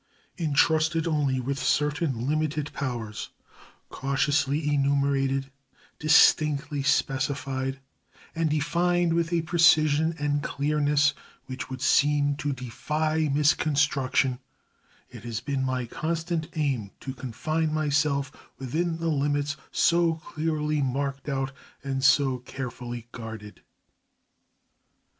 Intrusted only with certain limited powers, cautiously enumerated, distinctly specified, and defined with a precision and clearness which would seem to defy misconstruction, it has been my constant aim to confine myself within the limits so clearly marked out and so carefully guarded.